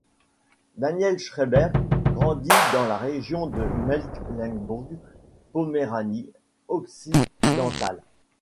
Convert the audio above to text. Daniel Schreiber grandit dans la région de Mecklembourg-Poméranie-Occidentale.